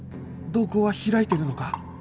瞳孔は開いているのか？